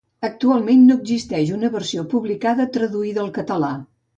Actualment no existeix una versió publicada traduïda al català.